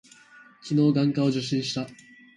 昨日、眼科を受診した。